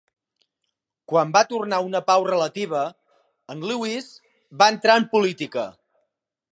Quan va tornar una pau relativa, en Lewis va entrar en política.